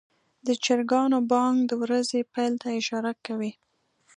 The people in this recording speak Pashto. د چرګانو بانګ د ورځې پیل ته اشاره کوي.